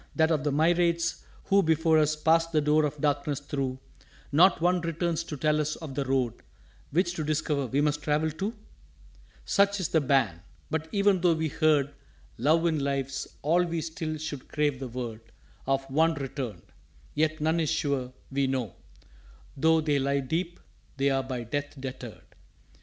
that of the myriads who Before us passed the door of Darkness through Not one returns to tell us of the Road, Which to discover we must travel too?_" "Such is the Ban! but even though we heard Love in Life's All we still should crave the word Of one returned. Yet none is sure, we know, Though they lie deep, they are by Death deterred."